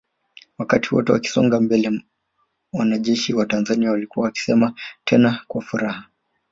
Wakati wote wakisonga mbele wanajeshi wa Tanzania walikuwa wakisema tena kwa furaha